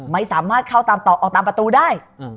ไม่สามารถเข้าออกตามประตูได้